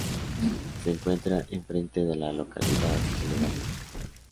Se encuentra enfrente de la localidad que le da nombre.